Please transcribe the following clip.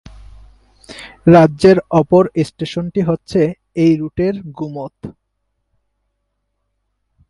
রাজ্যের অপর স্টেশনটি হচ্ছে এই রুটের গুমত।